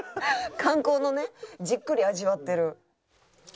「観光のねじっくり味わってる」